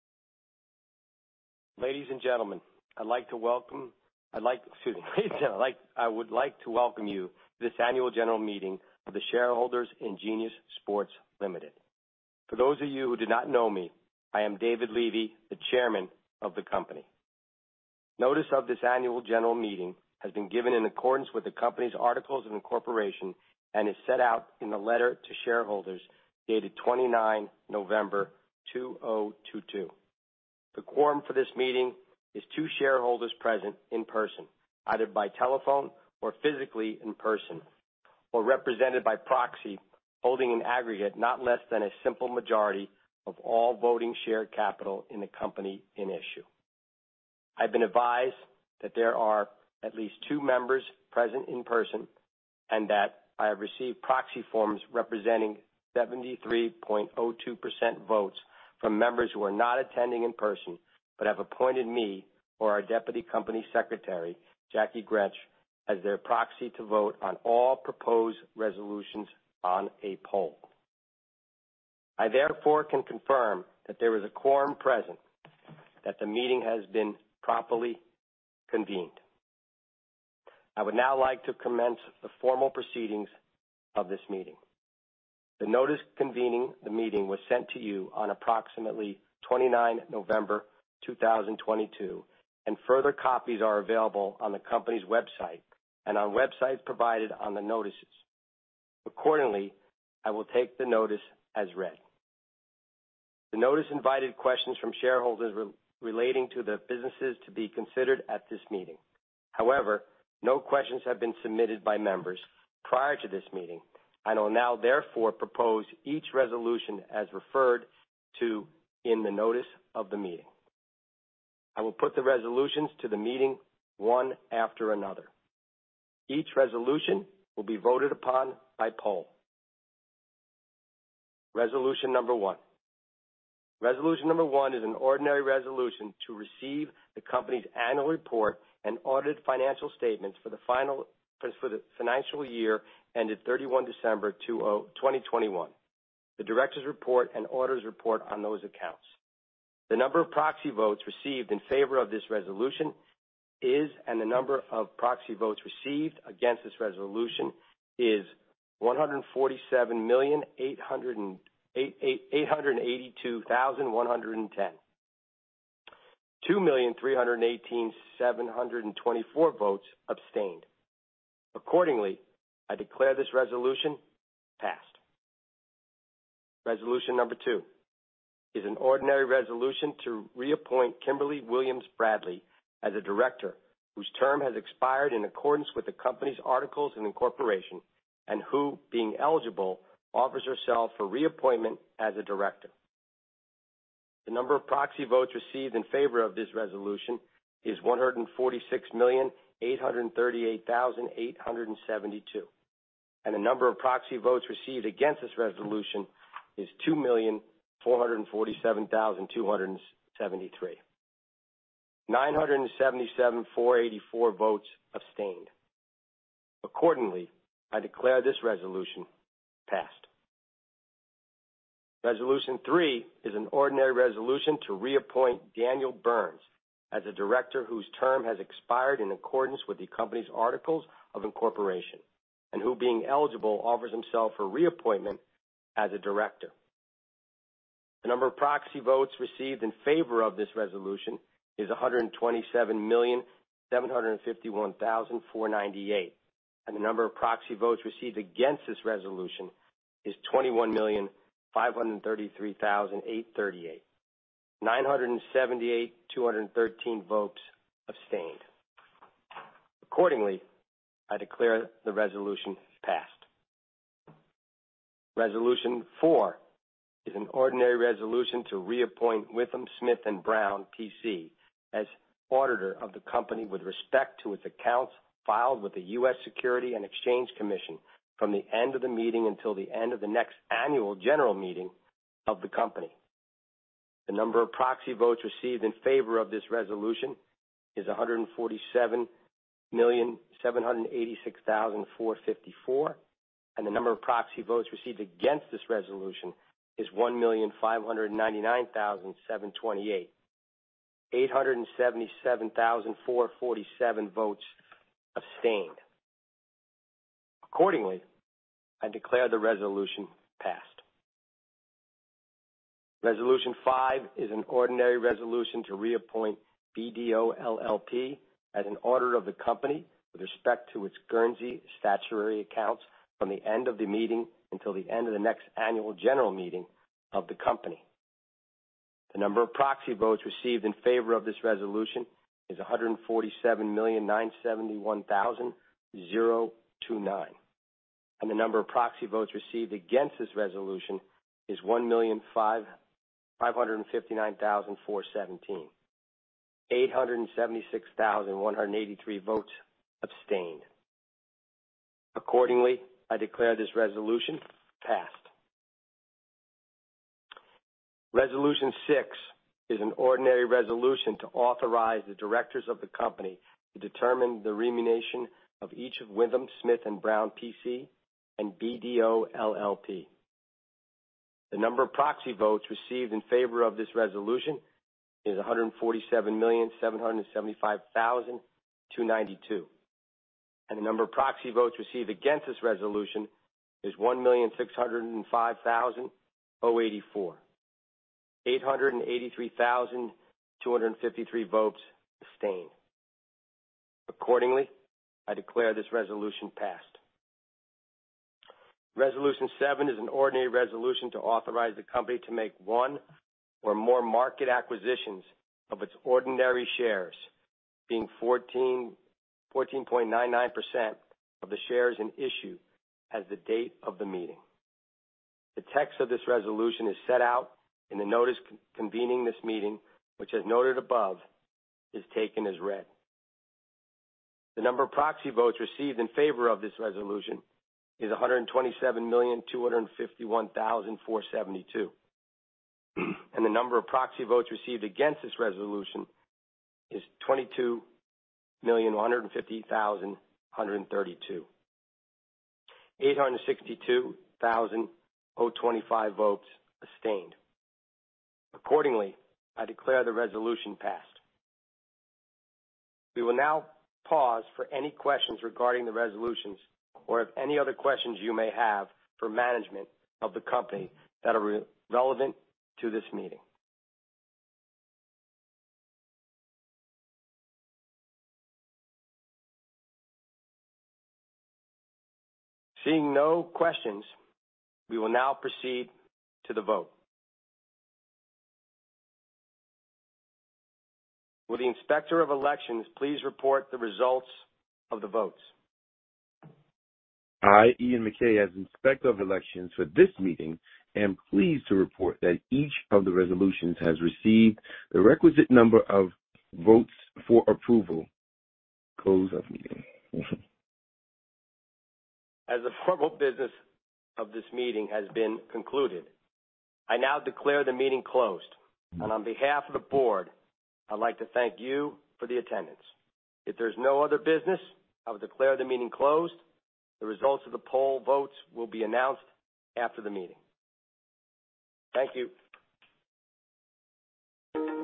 Ladies and gentlemen, I would like to welcome you to this annual general meeting of the shareholders in Genius Sports Limited. For those of you who do not know me, I am David Levy, the Chairman of the company. Notice of this Annual General Meeting has been given in accordance with the company's articles of incorporation and is set out in the letter to shareholders dated 29 November 2022. The quorum for this meeting is two shareholders present in person, either by telephone or physically in person, or represented by proxy holding an aggregate not less than a simple majority of all voting share capital in the company in issue. I have been advised that there are at least two members present in person and that I have received proxy forms representing 73.02% votes from members who are not attending in person but have appointed me or our Deputy Company Secretary, Jackie Gretsch, as their proxy to vote on all proposed resolutions on a poll. I therefore can confirm that there is a quorum present, that the meeting has been properly convened. I would now like to commence the formal proceedings of this meeting. The notice convening the meeting was sent to you on approximately 29 November 2022, and further copies are available on the company's website and on websites provided on the notices. Accordingly, I will take the notice as read. The notice invited questions from shareholders relating to the businesses to be considered at this meeting. However, no questions have been submitted by members prior to this meeting, and I will now therefore propose each resolution as referred to in the notice of the meeting. I will put the resolutions to the meeting one after another. Each resolution will be voted upon by poll. Resolution number one is an ordinary resolution to receive the company's annual report and audited financial statements for the financial year ended 31 December 2021, the Directors' report and auditor's report on those accounts. The number of proxy votes received in favor of this resolution is, and the number of proxy votes received against this resolution is 147,882,110. 2,318,724 votes abstained. Accordingly, I declare this resolution passed. Resolution number two is an ordinary resolution to reappoint Kimberly Williams Bradley as a Director whose term has expired in accordance with the company's articles of incorporation and who, being eligible, offers herself for reappointment as a Director. The number of proxy votes received in favor of this resolution is 146,838,872, and the number of proxy votes received against this resolution is 2,447,273. 977,484 votes abstained. Accordingly, I declare this resolution passed. Resolution three is an ordinary resolution to reappoint Daniel Burns as a Director whose term has expired in accordance with the company's articles of incorporation and who, being eligible, offers himself for reappointment as a Director. The number of proxy votes received in favor of this resolution is 127,751,498, and the number of proxy votes received against this resolution is 21,533,838. 978,213 votes abstained. Accordingly, I declare the resolution passed. Resolution four is an ordinary resolution to reappoint Withum Smith & Brown, PC, as auditor of the company with respect to its accounts filed with the U.S. Securities and Exchange Commission from the end of the meeting until the end of the next annual general meeting of the company. The number of proxy votes received in favor of this resolution is 147,786,454, and the number of proxy votes received against this resolution is 1,599,728. 877,447 votes abstained. Accordingly, I declare the resolution passed. Resolution five is an ordinary resolution to reappoint BDO LLP as an auditor of the company with respect to its Guernsey statutory accounts from the end of the meeting until the end of the next annual general meeting of the company. The number of proxy votes received in favor of this resolution is 147,971,029, and the number of proxy votes received against this resolution is 1,559,417. 876,183 votes abstained. Accordingly, I declare this resolution passed. Resolution six is an ordinary resolution to authorize the Directors of the company to determine the remuneration of each of Withum Smith + Brown, PC, and BDO LLP. The number of proxy votes received in favor of this resolution is 147,775,292, and the number of proxy votes received against this resolution is 1,605,084. 883,253 votes abstained. Accordingly, I declare this resolution passed. Resolution seven is an ordinary resolution to authorize the company to make one or more market acquisitions of its ordinary shares, being 14.99% of the shares in issue as of the date of the meeting. The text of this resolution is set out in the notice convening this meeting, which, as noted above, is taken as read. The number of proxy votes received in favor of this resolution is 127,251,472, and the number of proxy votes received against this resolution is 22,150,132. 862,025 votes abstained. Accordingly, I declare the resolution passed. We will now pause for any questions regarding the resolutions or if there are any other questions you may have for management of the company that are relevant to this meeting. Seeing no questions, we will now proceed to the vote. Will the Inspector of Elections please report the results of the votes? I, Ian McKay, as Inspector of Elections for this meeting, am pleased to report that each of the resolutions has received the requisite number of votes for approval. Close of meeting. As the formal business of this meeting has been concluded, I now declare the meeting closed. On behalf of the board, I'd like to thank you for the attendance. If there's no other business, I'll declare the meeting closed. The results of the poll votes will be announced after the meeting. Thank you.